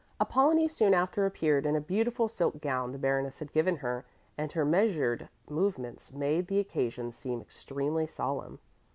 Apollonie soon after appeared in a beautiful silk gown the Baroness had given her, and her measured movements made the occasion seem extremely solemn.